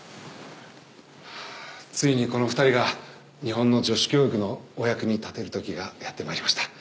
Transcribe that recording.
ついにこの２人が日本の女子教育のお役に立てる時がやって参りました。